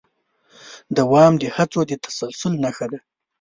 دوام د هڅو د تسلسل نښه ده.